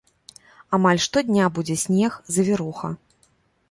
Амаль штодня будзе снег, завіруха.